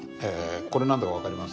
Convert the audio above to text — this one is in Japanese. これ何だか分かります？